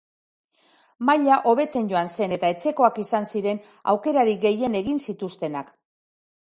Maila hobetzen joan zen eta etxekoak izan ziren aukerarik gehien egin zituztenak.